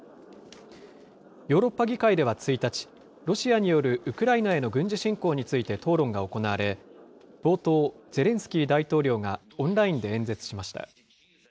ヨーロッパ議会では１日、ロシアによるウクライナへの軍事侵攻について討論が行われ、冒頭、ゼレンスキー大統領がオンラインで演説しました。